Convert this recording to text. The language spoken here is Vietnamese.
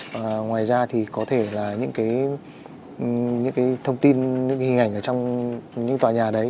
và ngoài ra thì có thể là những cái thông tin những cái hình ảnh ở trong những tòa nhà đấy